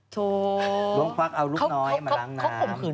โถเขาข่มขืนไปแล้วเหรอ